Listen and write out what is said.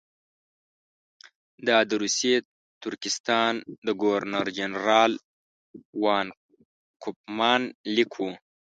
دا د روسي ترکستان د ګورنر جنرال وان کوفمان لیک وو.